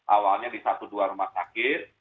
awalnya di satu dua rumah sakit